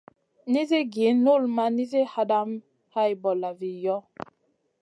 Nizi gi null ma nizi hadamèh hay bolla vizi yoh.